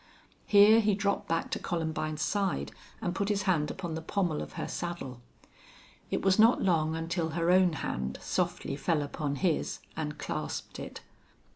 Here he dropped back to Columbine's side and put his hand upon the pommel of her saddle. It was not long until her own hand softly fell upon his and clasped it.